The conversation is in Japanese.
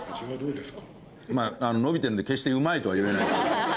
まあ伸びてるんで決してうまいとは言えない。